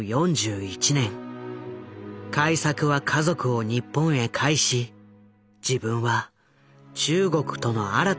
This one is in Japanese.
開作は家族を日本へ帰し自分は中国との新たな関係を探るため北京に残った。